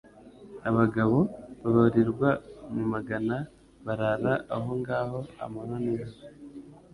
Abagabo babarirwa mu magana barara aho ngaho amanywa n'ijoro.